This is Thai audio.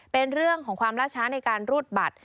เป็นเรื่องของความล่าช้าในการรูดบัตร